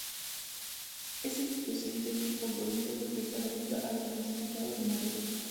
Esta institución tenía el compromiso de prestar ayuda a los necesitados de Madrid.